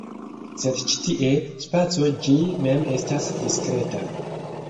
Sed ĉi tie, spaco ĝi mem estas diskreta.